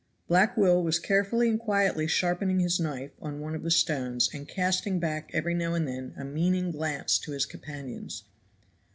Black Will was carefully and quietly sharpening his knife on one of the stones and casting back every now and then a meaning glance to his companions.